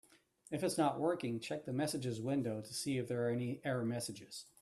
If it's not working, check the messages window to see if there are any error messages.